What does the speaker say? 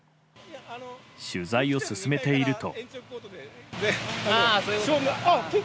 取材を進めていると。